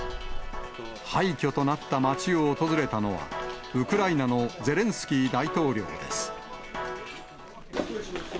廃虚となった街を訪れたのは、ウクライナのゼレンスキー大統領です。